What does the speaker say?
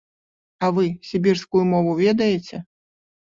А вы сібірскую мову ведаеце?